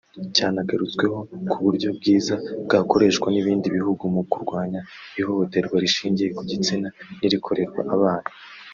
cyanagarutsweho nk’uburyo bwiza bwakoreshwa n’ibindi bihugu mu kurwanya ihohoterwa rishingiye ku gitsina n’irikorerwa abana